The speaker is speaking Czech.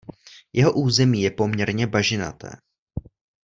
Jeho území je poměrně bažinaté.